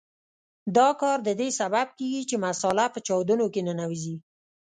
دا کار د دې سبب کیږي چې مساله په چاودونو کې ننوځي.